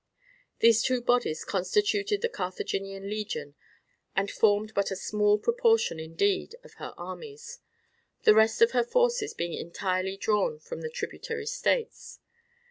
These two bodies constituted the Carthaginian legion, and formed but a small proportion indeed of her armies, the rest of her forces being entirely drawn from the tributary states.